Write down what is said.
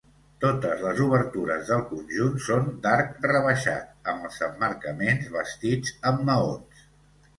Totes les obertures del conjunt són d'arc rebaixat, amb els emmarcaments bastits amb maons.